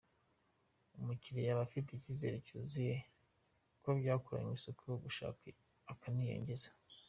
Umukiriya aba afite icyizere cyuzuye ko byakoranwe isuku yashaka akaniyongeza.